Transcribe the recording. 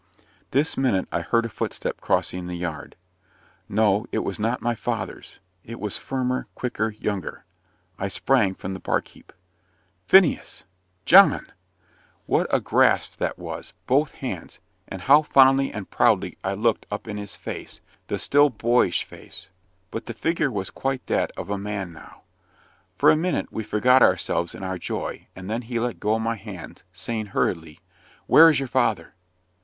This minute I heard a footstep crossing the yard. No, it was not my father's it was firmer, quicker, younger. I sprang from the barkheap. "Phineas!" "John!" What a grasp that was both hands! and how fondly and proudly I looked up in his face the still boyish face. But the figure was quite that of a man now. For a minute we forgot ourselves in our joy, and then he let go my hands, saying hurriedly "Where is your father?"